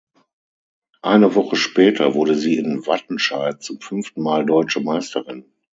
Eine Woche später wurde sie in Wattenscheid zum fünften Mal Deutsche Meisterin.